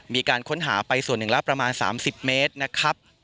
มีการค้นหาไปส่วนหนึ่งละประมาณ๓๐เมตรนะครับ